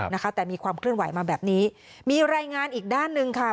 นะคะแต่มีความเคลื่อนไหวมาแบบนี้มีรายงานอีกด้านหนึ่งค่ะ